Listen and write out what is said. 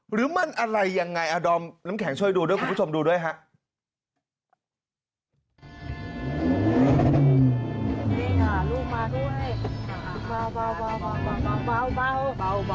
หรือมันอะไรยังไงอดอมน้ำแข็งช่วยดูคุณผู้ชมดูนะครับ